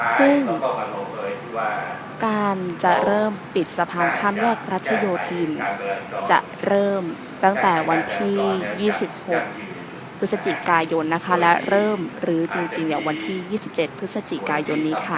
ซึ่งการจะเริ่มปิดสะพานข้ามแยกรัชโยธินจะเริ่มตั้งแต่วันที่๒๖พฤศจิกายนนะคะและเริ่มรื้อจริงวันที่๒๗พฤศจิกายนนี้ค่ะ